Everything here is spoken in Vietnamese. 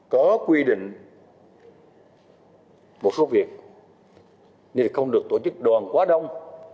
có quy định một số việc như không được tổ chức đoàn quá đông